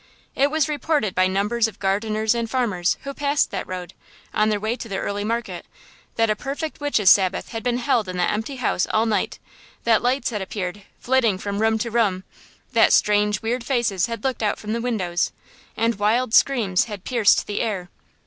It was reported by numbers of gardeners and farmers, who passed that road, on their way to early market, that a perfect witches' sabbath had been held in that empty house all night; that lights had appeared, flitting from room to room; that strange, weird faces had looked out from the windows; and wild screams had pierced the air!